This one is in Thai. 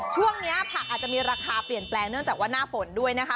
ช่วงนี้ผักอาจจะมีราคาเปลี่ยนแปลงเนื่องจากว่าหน้าฝนด้วยนะคะ